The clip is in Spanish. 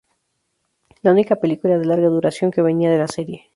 La única película de larga duración que venía de la serie.